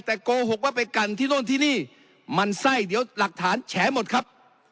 แต่โกหกว่าไปกันที่โน่นที่นี่มันไส้เดี๋ยวหลักฐานแฉหมดครับ